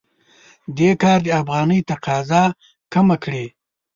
دې کار د افغانۍ تقاضا کمه کړې.